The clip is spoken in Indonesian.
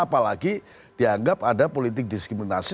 apalagi dianggap ada politik diskriminasi